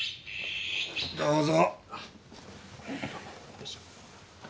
どうぞ。